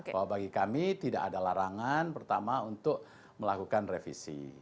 bahwa bagi kami tidak ada larangan pertama untuk melakukan revisi